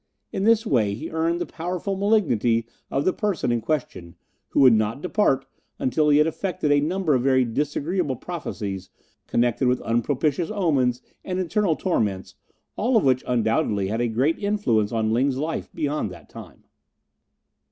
In this way he earned the powerful malignity of the person in question, who would not depart until he had effected a number of very disagreeable prophecies connected with unpropitious omens and internal torments, all of which undoubtedly had a great influence on Ling's life beyond that time.